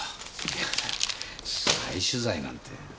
いや再取材なんて。